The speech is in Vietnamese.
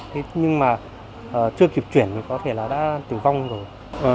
thế nhưng mà chưa kịp chuyển thì có thể là đã tử vong rồi